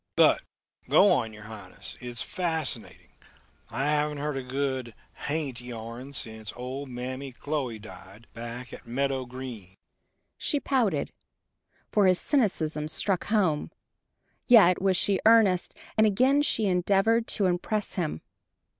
"But, go on, your Highness. It's fascinating I haven't heard a good 'hant' yarn since old Mammy Chloe died, back at Meadow Green." She pouted, for his cynicism struck home. Yet was she earnest, and again she endeavored to impress him.